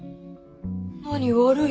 何悪い？